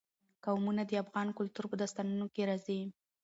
قومونه د افغان کلتور په داستانونو کې راځي.